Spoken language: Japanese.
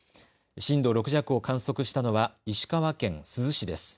震度６弱を観測したのは石川県珠洲市です。